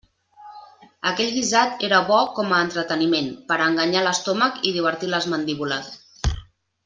Aquell guisat era bo com a entreteniment, per a enganyar l'estómac i divertir les mandíbules.